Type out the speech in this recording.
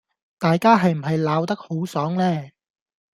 大家係唔係鬧得好爽呢？